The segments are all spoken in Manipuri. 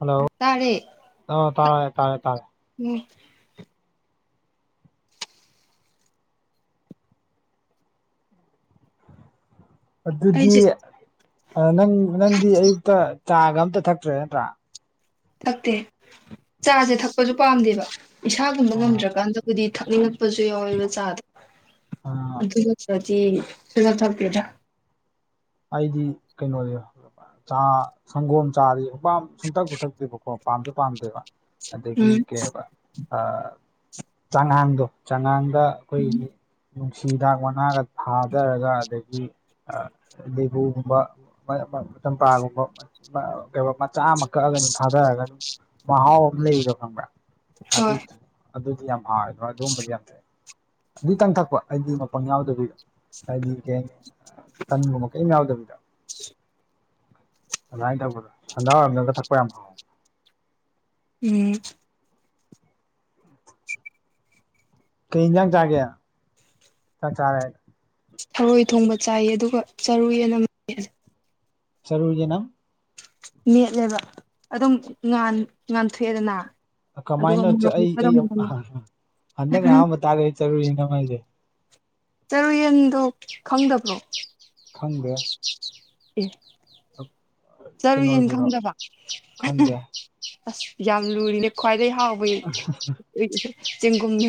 ꯍꯜꯂꯣ ꯇꯥꯔꯦ ꯑꯣ ꯇꯥ ꯇꯥꯔꯦ ꯇꯥꯔꯦ ꯎꯝ ꯑꯗꯨꯗꯤ ꯑꯩꯁꯦ ꯅꯪ ꯅꯪꯗꯤ ꯑꯌꯨꯛꯇ ꯆꯥꯒ ꯑꯝꯇ ꯊꯛꯇ꯭ꯔꯦ ꯅꯠꯇ꯭ꯔꯥ ꯊꯛꯇꯦ ꯆꯥꯁꯦ ꯊꯛꯄꯁꯨ ꯄꯥꯝꯗꯦꯕ ꯏꯁꯥꯒꯨꯝꯕ ꯑꯥ ꯉꯝꯗ꯭ꯔꯀꯥꯟꯗ ꯑꯗꯨꯗꯤ ꯊꯛꯅꯤꯡꯉꯛꯄꯁꯨ ꯌꯥꯎꯋꯦ ꯃꯆꯥꯗ ꯑꯥ ꯑꯗꯨ ꯅꯠꯇ꯭ꯔꯗꯤ [unintelligible] ꯑꯩꯗꯤ ꯀꯩꯅꯣꯅꯦ ꯥ ꯁꯪꯒꯣꯝ ꯆꯥꯗꯤ ꯍꯄꯥꯝ ꯁꯨꯡꯊꯛ ꯄꯨꯨꯊꯛꯇꯦꯕꯀꯣ ꯄꯥꯝꯁꯨ ꯄꯥꯝꯗꯦꯕ ꯑꯗꯒꯤ ꯎꯝ ꯀꯩꯕ ꯆꯥꯉꯥꯟꯗꯣ ꯆꯉꯥꯡ ꯗ ꯑꯩꯈꯣꯏꯒꯤ ꯅꯨꯡꯁꯤꯗꯥꯛ ꯃꯅꯥꯒ ꯊꯥꯗꯔꯒ ꯑꯗꯒꯤ ꯍꯩꯒꯨꯝꯕ ꯆꯝꯄ꯭ꯔꯥꯒꯨꯝꯕ ꯀꯩꯕꯥ ꯃꯆꯥ ꯑꯃ ꯀꯛꯑꯒ ꯑꯗꯨꯝ ꯊꯥꯗꯔꯒ ꯑꯗꯨꯝ ꯃꯍꯥꯎ ꯑꯃ ꯂꯩꯕꯗꯣ ꯈꯪꯕ꯭ꯔꯥ ꯑꯗꯨ ꯍꯣꯏ ꯑꯗꯨꯗꯤ ꯌꯥꯝ ꯍꯥꯎꯗ꯭ꯔꯥ ꯑꯗꯨꯒꯨꯝꯕꯗꯤ ꯌꯥꯝ ꯑꯗꯨꯇꯪ ꯊꯛꯄ ꯑꯩꯗꯤ ꯃꯄꯪ ꯌꯥꯎꯗꯕꯣꯏꯗꯣ ꯍꯥꯏꯗꯤ ꯀꯩ ꯍꯥꯏꯅꯤ ꯇꯟ ꯀꯩꯩꯅ ꯌꯥꯎꯗꯕꯗ ꯑꯗꯨꯃꯥꯏꯅ ꯇꯧꯕꯗꯣ ꯍꯟꯖꯥꯎꯔꯝꯒ ꯊꯛꯄ ꯌꯥꯝ ꯐꯥꯎꯋꯦ ꯎꯝ ꯀꯖꯥꯡ ꯆꯥꯒꯦ ꯆꯥꯔꯦ ꯊꯔꯣꯏ ꯊꯣꯡꯕ ꯆꯥꯏꯌꯦ ꯑꯗꯨꯒ ꯃꯔꯣꯏ ꯌꯦꯅꯝ ꯆꯔꯨ ꯌꯦꯅꯝ ꯃꯦꯠꯂꯦꯕ ꯑꯗꯨꯝ ꯉꯥꯟꯊꯣꯛꯑꯦꯗꯅ ꯑꯗꯨꯒ ꯀꯃꯥꯏꯅꯣ ꯃꯣꯔꯣꯛ ꯑꯩ ꯃꯦꯠꯄꯗꯣ ꯑꯩ ꯍꯟꯗꯛꯅ ꯑꯍꯥꯟꯕ ꯇꯥꯔ ꯑꯩ ꯆꯠꯔꯨꯔꯤ ꯌꯦꯅꯝ ꯍꯥꯏꯁꯦ ꯆꯔꯨꯌꯦꯟꯗꯨꯣ ꯈꯪꯗꯕ꯭ꯔꯣ ꯈꯪꯗꯦ ꯑꯦ ꯆꯔꯨ ꯌꯦꯟ ꯀꯩꯅꯣꯗꯨꯔꯣ ꯈꯪꯗꯕ ꯈꯪꯗꯦ ꯑꯁ ꯌꯥꯝ ꯂꯨꯔꯤꯅꯦ ꯈ꯭ꯋꯥꯏꯗꯒꯤꯩ ꯍꯥꯎꯕ ꯆꯦꯡꯒꯨꯝꯅꯦ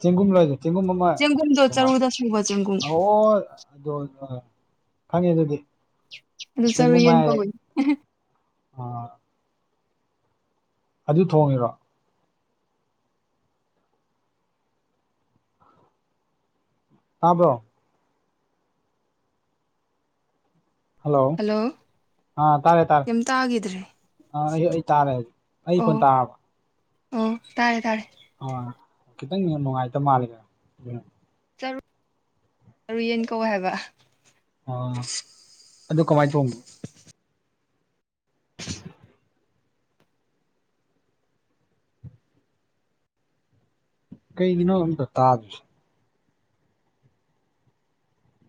ꯆꯦꯡꯒꯨꯝ ꯂꯣꯏꯁ ꯆꯦꯡꯒꯨꯝꯃ ꯆꯦꯡꯒꯨꯝꯗꯣ ꯆꯔꯨꯗ ꯁꯨꯕ ꯆꯦꯡꯒꯨꯝ ꯑꯣ ꯈꯪꯉꯦ ꯑꯗꯨꯗꯤ ꯑꯗꯨ ꯑꯁꯦꯡꯕꯨꯝ ꯆꯔꯨꯌꯦꯟ ꯍꯥꯏꯔꯦ ꯀꯧꯋꯦ ꯑ ꯑꯗꯨ ꯊꯣꯡꯉꯤꯔꯣ ꯇꯥꯕ꯭ꯔꯣ ꯍꯜꯂꯣ ꯑꯥ ꯇꯥꯔꯦ ꯇꯥꯔꯦ ꯀꯩꯝ ꯇꯥꯈꯤꯗ꯭ꯔꯦ ꯑꯥ ꯑꯩ ꯇꯥꯔꯦ ꯍꯥꯏ ꯑꯩ ꯑꯣ ꯀꯣꯟ ꯇꯥꯕꯔꯣ ꯑꯣ ꯇꯥꯔꯦ ꯇꯥꯔꯦ ꯑ ꯈꯤꯇꯪ ꯅꯨꯡꯉꯥꯏꯇꯕ ꯃꯥꯜꯂꯤ ꯆꯔꯨ ꯌꯦꯟ ꯀꯧ ꯍꯥꯏꯕ ꯑ ꯑꯗꯨ ꯀꯃꯥꯏꯅ ꯆꯣꯡ ꯀꯩꯒꯤꯅꯣ ꯇ ꯇꯥ ꯑꯗꯨ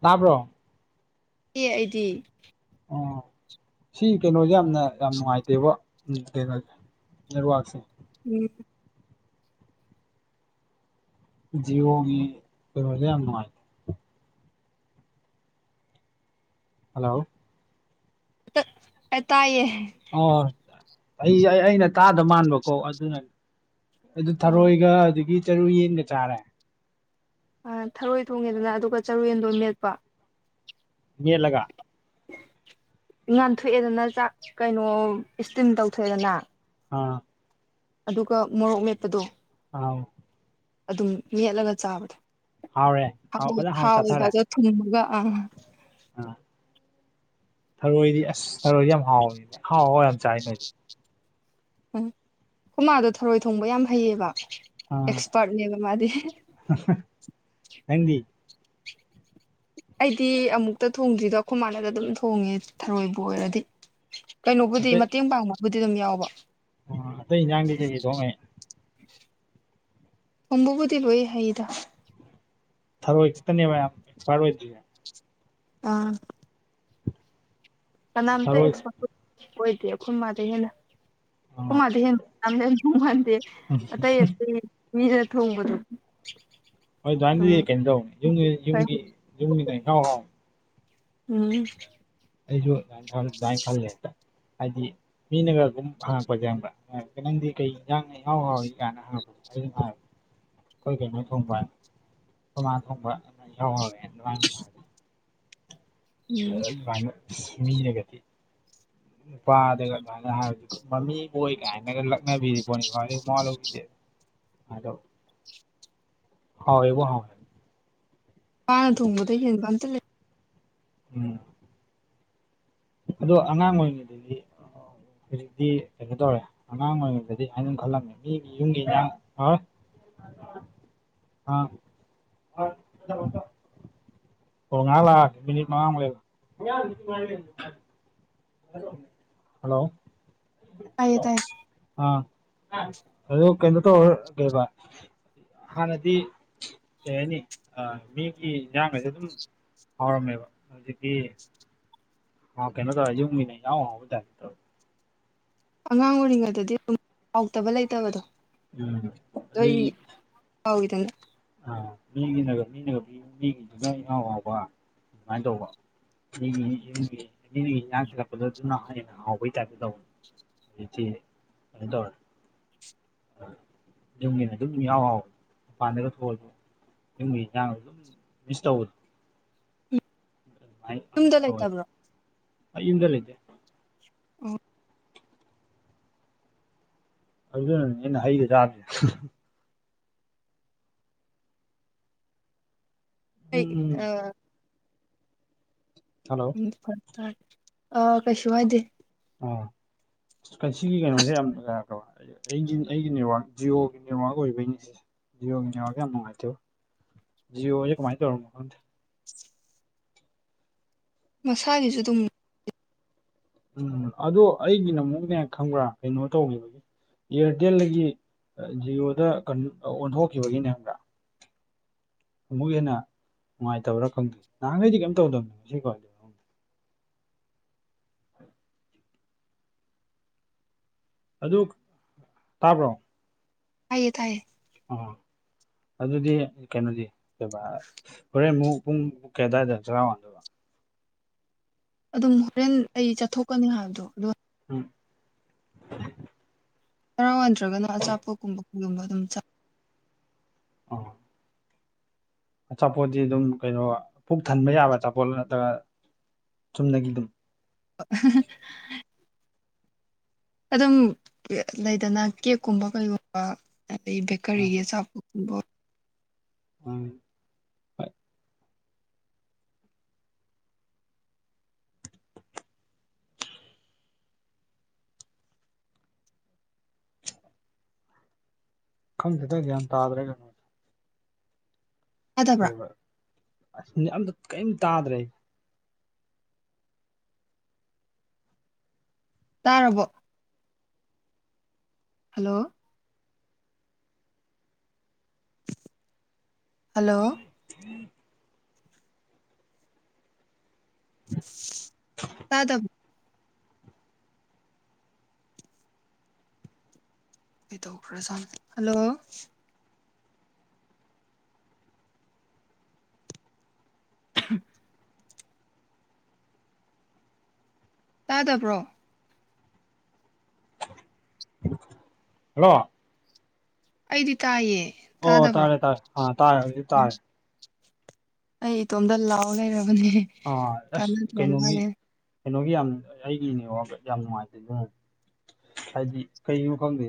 ꯇꯥꯕ꯭ꯔꯣ ꯑꯦ ꯑꯩꯗꯤ ꯑꯣ ꯁꯤ ꯀꯩꯅꯣꯁꯦ ꯌꯥꯝꯅ ꯌꯥꯝ ꯅꯨꯡꯉꯥꯏꯇꯦꯕ ꯎꯝꯦꯁꯤ ꯎꯝ ꯖꯤꯕꯣꯡꯉꯤꯔꯦ ꯑꯥꯏ ꯍꯜꯂꯣ ꯑ ꯇꯑꯌꯦ ꯑꯣ ꯑꯩ ꯑꯩꯅ ꯇꯥꯗ ꯃꯥꯟꯕꯀꯣ ꯑꯗꯨꯅꯅꯤ ꯑꯗꯨ ꯑꯥ ꯊꯔꯣꯏꯒ ꯑꯗꯨꯗꯒꯤ ꯆꯔꯨ ꯌꯦꯟꯒ ꯆꯥꯔꯦ ꯊꯔꯣꯏ ꯊꯣꯡꯉꯦꯗꯅ ꯑꯗꯨꯒ ꯆꯔꯦꯟꯗꯣ ꯃꯦꯠꯄ ꯌꯦꯜꯂꯒ ꯉꯟꯊꯣꯛꯑꯦꯗꯅ ꯆꯥꯛ ꯀꯩꯅꯣ ꯏꯁꯇꯤꯝ ꯇꯧꯊꯣꯛꯑꯦꯗꯅ ꯑ ꯑꯗꯨꯒ ꯃꯣꯔꯣꯛ ꯂꯦꯞꯄꯗꯣ ꯑꯥꯎ ꯑꯗꯨꯝ ꯌꯦꯠꯂꯒ ꯆꯥꯕꯗꯣ ꯍꯥꯎꯔꯦ ꯍꯥꯎ ꯐꯖꯅ ꯍꯥꯎꯅ ꯆꯥꯊꯔꯦ ꯊꯥꯎꯕꯗ ꯊꯨꯝꯃꯒ ꯑꯥ ꯑꯥ ꯊꯔꯣꯏꯗꯤ ꯑꯁ ꯊꯔꯣꯏꯗꯤ ꯌꯥꯝ ꯍꯥꯎꯋꯅꯦ ꯍꯥꯎ ꯍꯥꯎ ꯌꯥꯝ ꯆꯥꯏ ꯅꯣꯏꯗꯤ ꯎꯝ ꯍꯃꯥꯗꯣ ꯊꯔꯣꯏ ꯊꯣꯡꯕ ꯌꯥꯝ ꯍꯩꯌꯦꯕ ꯑꯦꯛꯁꯄꯔꯠꯅꯦꯕ ꯃꯥꯗꯤ ꯊꯪꯗꯤ ꯑꯩꯗꯤ ꯑꯃꯨꯛꯇ ꯊꯣꯡꯗ꯭ꯔꯤꯗꯣ ꯑꯩꯈꯣꯏ ꯃꯥꯟꯅꯗ ꯑꯗꯨꯝ ꯊꯣꯡꯉꯦ ꯊꯔꯣꯏꯕꯨ ꯑꯣꯏꯔꯗꯤ ꯀꯩꯅꯣꯕꯨꯗꯤ ꯃꯇꯦꯡ ꯄꯥꯡꯕꯕꯨꯗꯤ ꯑꯗꯨꯝ ꯌꯥꯎꯕ ꯑꯣ ꯑꯇꯩ ꯍꯟꯖꯥꯡꯗꯤ ꯀꯩꯀꯩ ꯊꯣꯛꯣꯡꯉꯩ ꯀꯕꯕꯨꯗꯤ ꯂꯣꯏ ꯍꯥꯏꯩꯗ ꯊꯔꯣꯏ ꯈꯤꯇꯅꯦ ꯃꯌꯥꯝ ꯑꯦꯛꯁꯄꯥꯔꯠ ꯑꯣꯏꯗꯣꯏꯦ ꯑꯥ ꯀꯅꯥꯝꯇ ꯊꯔꯣꯏ ꯑꯦꯛꯁꯄꯥ ꯑꯣꯏꯗꯦ ꯑꯩꯈꯣꯏ ꯃꯥꯗ ꯍꯦꯟꯅ ꯑꯩꯈꯣꯏ ꯑꯥ ꯃꯥꯗ ꯍꯦꯟꯅ ꯌꯥꯝ ꯌꯥꯝ ꯊꯣꯡꯍꯟꯗꯦ ꯎꯝ ꯑꯇꯩ ꯑꯇꯩ ꯃꯤꯅ ꯊꯣꯡꯕꯗꯣ ꯍꯣꯏ ꯑꯗꯨꯝ ꯑꯗꯨꯃꯥꯏꯅꯗꯗꯤ ꯀꯩꯅꯣ ꯇꯧꯅꯤ ꯌꯨꯝꯒꯤ ꯈꯔ ꯌꯨꯝꯒꯤ ꯌꯨꯝꯒꯤꯅ ꯍꯥꯎ ꯍꯥꯎ ꯎꯝ ꯑꯩꯁꯨ ꯑꯗꯨꯃ ꯑꯗꯨꯃꯥꯏꯅ ꯈꯜꯂꯦ ꯍꯦꯛꯇ ꯍꯥꯏꯗꯤ ꯃꯤꯅꯒ ꯑꯗꯨꯝ ꯍꯪꯉꯛꯄꯁꯦ ꯍꯪꯕ ꯍꯉꯀꯦ ꯅꯪꯗꯤ ꯀꯩ ꯏꯟꯖꯥꯡꯅꯩꯍꯥꯎ ꯍꯥꯎꯋꯏ ꯀꯥꯏꯅ ꯍꯉꯄꯁꯦ ꯑꯗꯨ ꯑꯩꯈꯣꯏ ꯀꯩꯅꯣ ꯊꯣꯡꯕ ꯊꯣꯃꯥ ꯊꯣꯡꯕ ꯑꯗꯨ ꯌꯥꯎꯔꯔꯦ ꯑꯗꯨꯃꯥꯏ ꯅꯨꯡꯉꯥꯏ ꯑꯗꯨ ꯎꯝ ꯑꯗꯨꯃꯥꯏꯅ ꯃꯤꯔꯒꯗꯤ ꯅꯨꯄꯥꯗꯒ ꯑꯗꯨꯃꯥꯏꯅ ꯍꯥꯏꯕꯗꯨ ꯃꯝꯃꯤꯕꯨꯣꯣꯏ ꯀꯥꯏ ꯂꯒꯅ ꯄꯤꯣꯅꯤ ꯃꯣꯂ ꯄꯤ ꯗꯣ ꯍꯥꯎꯕꯨ ꯍ ꯋꯥꯅ ꯊꯣꯡꯕꯗ ꯍꯦꯟꯕ ꯑꯝꯇ ꯂꯩ ꯎꯝ ꯑꯗꯣ ꯑꯉꯥꯡ ꯑꯣꯏꯔꯤꯉꯩꯗꯗꯤ ꯍꯧꯖꯤꯛꯇꯤ ꯀꯩꯅꯣ ꯇꯧꯔꯦ ꯑꯉꯥꯡ ꯑꯣꯏꯔꯤꯉꯩꯗꯗꯤ ꯍꯥꯏ ꯈꯜꯂꯝꯃꯦ ꯃꯤꯒꯤ ꯌꯨꯝꯒꯤꯥꯡ [inaudible] [inaudible] ꯑꯣ ꯉꯥꯂꯥ ꯃꯤꯅꯤꯠ ꯃꯉꯥꯡ ꯍꯜꯂꯣ ꯇꯥꯏꯌꯦ ꯇꯥꯏꯌꯦ ꯑ ꯑꯗꯨ ꯀꯩꯅꯣ ꯇꯧꯔ ꯀ ꯍꯥꯟꯅꯗꯤ ꯀꯩ ꯍꯥꯏꯅꯤ ꯑ ꯃꯤꯒꯤ ꯏꯟꯖꯥꯡꯒꯁꯨꯦ ꯑꯗꯨꯝ ꯍꯥꯎꯔꯝꯃꯦꯕ ꯍꯧꯖꯤꯛꯀꯤ ꯍ ꯀꯩꯅꯣ ꯇꯧ ꯌꯦ ꯃꯤꯃꯤ ꯅ ꯑꯥꯎ ꯊ ꯑꯉꯥꯡ ꯑꯣꯏꯔꯤꯉꯩꯗꯗꯤ ꯑꯗꯨꯝ ꯍꯥꯎꯇꯕ ꯂꯩꯇꯕꯗꯣ ꯎꯝ ꯑꯗ ꯍꯥꯎꯗ ꯑꯗꯨ ꯑ ꯃꯤꯒꯤꯅ ꯃꯤꯅꯒ ꯃꯤꯒꯤꯗꯨꯅ ꯏꯅꯥꯎ ꯑꯥꯎꯕ ꯑꯗꯨꯃꯥꯏꯅ ꯇꯧꯕ ꯅꯒꯤ ꯅꯒꯤꯥꯡꯊꯔꯛꯄꯗꯣ ꯑꯗꯨꯅ ꯍꯦꯟꯅ ꯍꯍꯥꯎꯕꯩ ꯇꯥꯏꯞꯇ ꯇꯧꯕ ꯑ ꯊ ꯗꯔ ꯑꯗꯨꯝꯒꯤꯅ ꯑꯗꯨꯝ ꯌꯥꯎ ꯍꯥꯎ ꯃꯄꯥꯟꯗꯒ ꯊꯣꯛꯑꯁꯨ ꯝ ꯃꯤꯗ ꯑꯗꯨꯝ ꯁꯇꯧ ꯑꯣꯏ ꯌꯨꯝꯗ ꯂꯩꯇꯕ꯭ꯔꯣ ꯍꯣꯏ ꯏꯟꯗ ꯂꯩꯗꯦ ꯑꯣ ꯑꯗꯨꯅꯅꯦ ꯑꯩꯅ ꯍꯩꯒ ꯆꯥꯕꯁꯦ ꯑꯩ ꯎꯝ ꯑ ꯍꯜꯂꯣ ꯎꯝ ꯐ ꯇꯔꯦ ꯑ ꯀꯩꯁꯨ ꯍꯥꯏꯗꯦ ꯑ ꯁꯤꯒꯤ ꯀꯩꯅꯣꯁꯦ ꯌꯥꯝ ꯅꯨꯡꯉꯥꯏꯔꯛꯇꯕ ꯑꯩꯒꯤ ꯑꯩꯒꯤ ꯅꯦꯠꯋꯥꯛ ꯖꯤꯌꯣꯒꯤ ꯅꯦꯠꯋꯥꯛ ꯑꯣꯏꯕꯒꯤꯅꯤ ꯁꯤꯁꯦ ꯖꯤꯑꯣ ꯀ ꯌꯥꯝ ꯃꯉꯥꯏꯗꯣ ꯖꯤꯑꯣ ꯀꯃꯥꯏꯗꯧꯔꯣꯟ ꯃꯁꯥꯒꯤꯁꯨ ꯑꯗꯨꯝ ꯎꯝ ꯑꯗꯣ ꯑꯩꯒꯤꯅ ꯑꯃꯨꯛꯅꯦ ꯈꯪꯕ꯭ꯔꯥ ꯀꯩꯅꯣ ꯇꯧꯈꯤꯕꯒꯤ ꯏꯌꯥꯔꯇꯦꯜꯗꯒꯤ ꯖꯤꯌꯣꯗ ꯀ ꯑꯣꯟꯊꯣꯛꯈꯤꯕꯒꯤꯅꯦ ꯈꯪꯕ꯭ꯔꯥ ꯑꯃꯨꯛ ꯍꯦꯟꯅ ꯅꯨꯡꯉꯥꯏꯇꯕ꯭ꯔꯥ ꯈꯪꯗꯦ ꯅꯍꯥꯟꯈꯩꯗꯤ ꯀꯩꯝ ꯇꯧꯗꯕꯅꯤ ꯉꯁꯤꯀꯣ ꯑꯗꯨ ꯇꯥꯕ꯭ꯔꯣ ꯇꯌꯦ ꯇꯥꯏꯌꯦ ꯑꯣ ꯑꯗꯨꯗꯤ ꯀꯩꯅꯣꯗꯤ ꯀꯩ ꯍꯣꯔꯦꯟ ꯑꯃꯨꯛ ꯄꯨꯡ ꯀꯩ ꯑꯗꯥꯋꯥꯏꯗ ꯆꯔꯥꯃꯥꯟꯗ ꯑꯗꯨꯝ ꯍꯣꯔꯦꯟ ꯑꯩ ꯆꯠꯊꯣꯛꯀꯅꯤ ꯍꯥꯏꯕꯗꯣ ꯑꯗꯣ ꯎꯝ ꯍꯔꯥꯎ ꯅꯗ꯭ꯔꯒꯅ ꯑꯆꯥꯄꯣꯠꯀꯨꯝꯕ ꯀꯩꯒꯨꯝꯕ ꯑꯗꯨꯝ ꯆꯥ ꯑꯥ ꯑꯆꯥꯄꯣꯠꯇꯤ ꯑꯗꯨꯝ ꯀꯩꯅꯣ ꯄꯨꯛ ꯊꯟꯕ ꯌꯥꯕ ꯑꯆꯥꯄꯣꯠ ꯅꯠꯇ꯭ꯔꯒ ꯆꯨꯝꯗꯒꯤ ꯑꯗꯨꯝ [unintelligible] ꯑꯗꯨꯝ ꯂꯩꯗꯅ ꯀꯦꯛꯀꯨꯝꯕ ꯀꯩꯒꯨꯝꯕ ꯑꯗꯗꯒꯤ ꯕꯀꯔꯤꯒꯤ ꯆꯕꯨꯝꯕ ꯑ ꯈꯪꯁꯤꯗ ꯒꯌꯥꯟ ꯇꯥꯗ꯭ꯔꯒꯅꯣ ꯇꯥꯗꯕ꯭ꯔꯥ ꯐꯕ ꯑꯁ ꯑꯇ ꯀꯔꯤꯝ ꯇꯥꯗ꯭ꯔꯦ ꯇꯥꯔꯕꯣ ꯍꯜꯂꯣ ꯍꯜꯂꯣ ꯇꯥꯗ ꯀꯩꯗꯈ꯭ꯔ ꯍꯜꯂꯣ [unintelligible] ꯇꯥꯗꯕ꯭ꯔꯣ ꯍꯜꯂꯣ ꯑꯩꯗꯤ ꯇꯥꯏꯌꯦ ꯑꯣ ꯇꯥꯗꯕ꯭ꯔꯣ ꯇꯥꯔꯦ ꯇꯥꯔꯦ ꯇꯥꯔꯦ ꯍꯧꯗꯤ ꯇꯥꯔꯦ ꯑꯩ ꯏꯇꯣꯝꯇ ꯂꯥꯎꯑꯣ ꯂꯩꯔꯕꯅꯦ ꯑꯥ ꯑꯁ ꯇꯥꯅꯗ꯭ꯔ ꯀꯩꯅꯣꯒꯤ ꯃꯥꯜꯂꯦ ꯀꯩꯅꯣꯒꯤ ꯌꯥꯝ ꯑꯩꯒꯤꯅꯦꯕꯕ ꯌꯥꯝ ꯅꯨꯡꯉꯥꯏꯇꯦ ꯑꯗꯨ ꯍꯥꯏꯗꯤ ꯀꯩꯒꯤꯅꯣ ꯈꯪꯗꯦ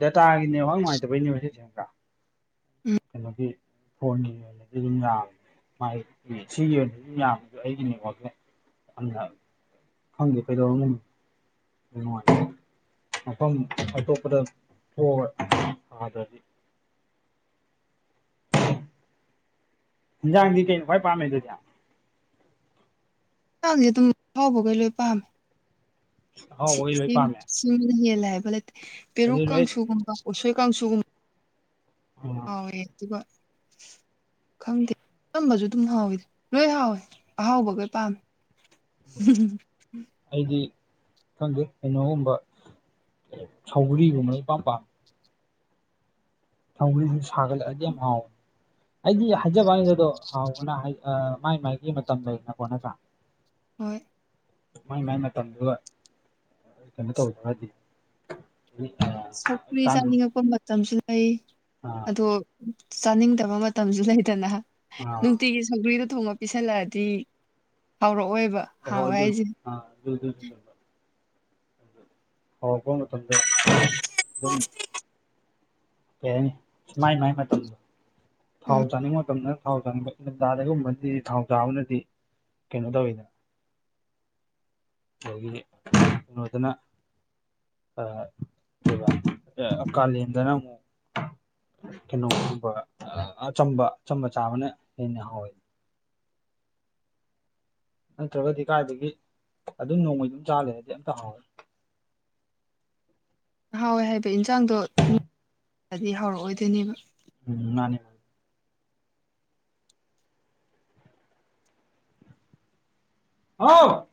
ꯗꯇꯥꯒꯤꯅꯦꯕ ꯅꯨꯡꯉꯥꯏꯇꯕꯩꯅꯦꯕ ꯁꯤꯁꯦꯀ ꯎꯝ ꯀꯩꯅꯣꯒꯤ ꯐꯣꯟꯒꯤ ꯑꯣꯏꯅꯗꯤ ꯑꯗꯨꯝ ꯌꯥꯝꯃꯦ ꯁꯤꯒꯤ ꯑꯣꯏꯅꯁꯨ ꯌꯥꯝꯕꯗ ꯑꯩꯒꯤꯅꯦꯗ ꯌꯥꯝꯅ ꯐꯪꯗꯦ ꯄꯩꯗꯅꯨꯡ ꯃꯐꯝ ꯑꯇꯣꯞꯄꯗ ꯊꯣꯛꯑꯗ꯭ꯔꯗꯤ ꯍꯟꯖꯥꯡꯗꯤ ꯀꯩꯅꯣ ꯈ꯭ꯋꯥꯏ ꯄꯥꯝꯃꯦ ꯑꯗꯨꯗꯤ ꯍꯛꯆꯥꯡꯁꯦ ꯑꯗꯨꯝ ꯍꯥꯎꯕꯈꯩ ꯂꯣꯏ ꯄꯥꯝꯃꯦ ꯁꯤ ꯑꯍꯥꯎꯕꯒꯤ ꯂꯣꯏ ꯄꯥꯝꯃꯦ ꯁꯤꯃꯅ ꯍꯦꯜꯂꯦ ꯍꯥꯏꯕ ꯂꯩꯇꯦ ꯑꯗꯨ ꯄꯦꯔꯨꯛ ꯂꯣꯏ ꯀꯥꯡꯁꯨꯒꯨꯝꯕ ꯎꯁꯣꯏ ꯀꯥꯡꯁꯨꯒꯨꯝꯕ ꯍꯔꯦ ꯑꯗꯨꯒꯒ [unintelligible] ꯈꯪꯗꯦ ꯑꯝꯕꯁꯨ ꯑꯗꯨꯝ ꯍꯥꯎꯋꯤ ꯂꯣꯏ ꯍꯥꯎꯋꯦ ꯑꯍꯥꯎꯕꯈꯣꯏ ꯄꯥꯝꯃꯦ ꯎꯝ ꯑꯩꯗꯤ ꯈꯪꯗꯦ ꯀꯩꯅꯣꯒꯨꯝꯕ ꯁꯧꯒ꯭ꯔꯤꯒꯨꯝꯕꯅ ꯏꯄꯥꯝ ꯄꯥꯝꯃꯦ ꯊꯧꯈꯁꯨ ꯁꯥꯒꯠꯂꯛꯑꯗꯤ ꯌꯥꯝ ꯍꯥꯎꯦ ꯑꯩꯒꯤ ꯍꯥꯏꯖꯕ ꯍꯥꯏꯗꯗꯣ ꯍꯥꯎꯕꯅ ꯃꯥꯏ ꯃꯥꯏꯒꯤ ꯃꯇꯝ ꯂꯩꯅꯀꯣ ꯅꯠꯇ꯭ꯔꯥ ꯍꯣꯏ ꯃꯥꯏ ꯃꯥꯏ ꯃꯇꯝꯗꯨꯒ ꯀꯩꯅꯣ ꯇꯧꯖꯔꯗꯤ ꯎꯝ ꯁꯧꯀ꯭ꯔꯤ ꯆꯥꯅꯤꯡꯉꯛꯄ ꯃꯇꯝꯁꯨ ꯂꯩ ꯑ ꯑꯣ ꯆꯥꯅꯤꯡꯗꯕ ꯃꯇꯝꯁꯨ ꯂꯩꯗꯅ ꯅꯨꯡꯇꯤꯒꯤ ꯁꯪꯒ꯭ꯔꯤꯗꯣ ꯊꯣꯉꯛꯄ ꯄꯤꯁꯜꯂꯛꯑꯗꯤ ꯍꯥꯎꯔꯛꯑꯣꯏꯕ ꯑꯣꯣꯏ ꯍꯥꯎꯋꯦ ꯑꯗꯨ ꯍꯥꯏꯁꯦ ꯑꯗꯨ ꯍꯥꯎꯄ ꯃꯇꯝꯗ ꯑꯗꯨꯝ ꯀꯩ ꯍꯥꯏꯅꯤ ꯃꯥꯏ ꯃꯥꯏ ꯃꯇꯝꯗꯣ ꯊꯥꯎ ꯎꯝ ꯆꯥꯅꯤꯡꯕ ꯃꯇꯝꯗꯅ ꯊꯥꯎ ꯆꯥꯅꯤꯡꯕ ꯇꯥꯗꯒꯨꯝꯕꯅꯗꯤ ꯊꯥꯎ ꯆꯥꯕꯅꯗꯤ ꯀꯩꯅꯣ ꯇꯧꯋꯤꯗ ꯑꯗꯨꯗꯒꯤ ꯅꯣꯗꯅ ꯑꯗꯨꯒ ꯀꯥꯂꯦꯟꯗꯅ ꯑꯃꯨꯛ ꯀꯩꯅꯣꯒꯨꯝꯕ ꯑꯆꯝꯕ ꯑꯆꯝꯕ ꯆꯥꯕꯅ ꯍꯦꯟꯅ ꯍꯥꯎꯋꯦ ꯅꯠꯇ꯭ꯔꯒꯗꯤ ꯀꯥꯏꯗꯒꯤ ꯑꯗꯨꯝ ꯅꯣꯡꯃꯩ ꯑꯗꯨꯝ ꯆꯥꯂꯦ ꯍꯥꯏꯔꯗꯤ ꯑꯝꯇ ꯍꯥꯎꯋꯦ ꯍꯥꯎꯋꯦ ꯍꯥꯏꯕ ꯏꯟꯁꯥꯡꯗꯣꯗꯤ ꯍꯥꯎꯔꯛꯑꯣꯏꯗꯣꯏꯅꯦꯕ ꯎꯝ ꯃꯥꯅꯤ ꯍꯥꯎ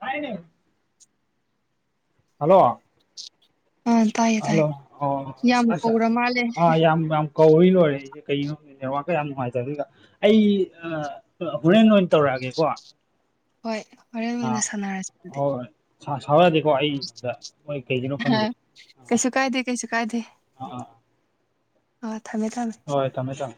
ꯍꯥꯏꯥꯏꯅꯦ ꯍꯜꯂꯣ ꯑ ꯍꯜꯂꯣ ꯑꯣ ꯃꯥꯜꯂꯦ ꯑ ꯌꯥꯝ ꯌꯥ ꯀꯧꯏ ꯂꯣꯏꯔꯦꯁꯦꯩꯒꯤꯅꯣꯦꯠꯋꯥꯔꯀ ꯌꯥꯝ ꯉꯥꯏꯖꯔ ꯑꯗꯨꯒ ꯑꯩ ꯍꯣꯔꯦꯟ ꯑꯣꯏꯅ ꯇꯧꯔꯛꯑꯒꯦꯀꯣ ꯍꯣꯏ ꯍꯣꯔꯦꯟ ꯑꯣꯏꯅ ꯁꯥꯟꯅꯔꯁꯤ ꯑꯗꯨꯗꯤ ꯁꯥꯎꯔꯛꯗꯤꯀꯣ ꯑꯩꯗ ꯍꯣꯏ ꯀꯩꯒꯤꯅꯣ ꯈꯪꯗꯦ ꯀꯩꯁꯨ ꯀꯥꯏꯗꯦ ꯀꯩꯁꯨ ꯀꯥꯏꯗꯦ ꯑ ꯑ ꯑꯥ ꯊꯝꯃꯦ ꯊꯝꯃꯦ ꯊꯃꯦ ꯊꯪ